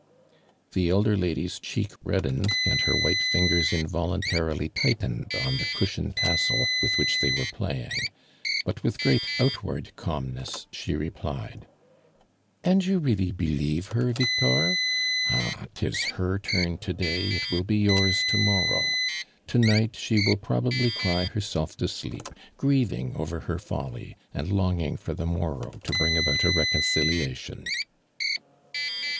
The elder lady's chci k reddened, ajid hor white iingors involuntarily tightened on tho cushion tassel with which they were playing, but with great outward calnmcss she replied :'' And you really believe her, Victor? Ah, tis her turn today, it will be yours tomor row. Tonight, she will probably cry hcr scrlfto sleep, grieving over her folly, and longing for tho morrow to biing about a i«vi!onciliation.''